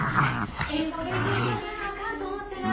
英語勉強しとかなあかんと思ってな。